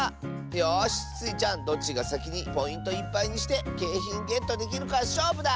よしスイちゃんどっちがさきにポイントいっぱいにしてけいひんゲットできるかしょうぶだ！